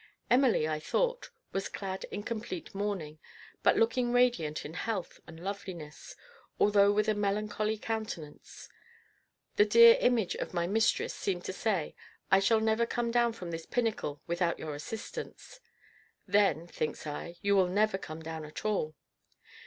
Emily, I thought, was clad in complete mourning, but looking radiant in health and loveliness, although with a melancholy countenance. The dear image of my mistress seemed to say, "I shall never come down from this pinnacle without your assistance." "Then," thinks I, "you will never come down at all."